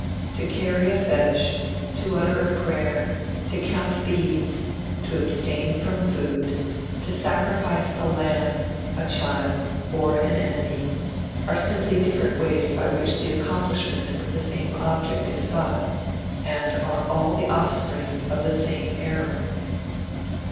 To carry a fetich, to utter a prayer, to count beads, to abstain from food, to sacrifice a lamb, a child or an enemy, are simply different ways by which the accomplishment of the same object is sought, and are all the offspring of the same error.